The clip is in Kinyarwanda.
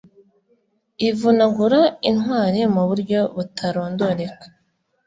ivunagura intwari mu buryo butarondoreka,